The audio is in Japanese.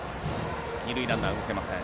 二塁ランナーは動けません。